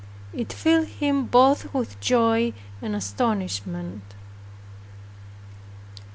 It filled him both with joy and astonishment.